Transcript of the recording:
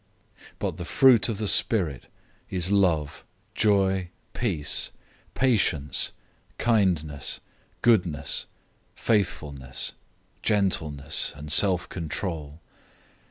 005:022 But the fruit of the Spirit is love, joy, peace, patience, kindness, goodness, faith,{or, faithfulness} 005:023 gentleness, and self control.